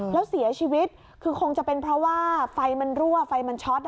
แล้วเสียชีวิตคือคงจะเป็นเพราะว่าไฟมันรั่วไฟมันช็อต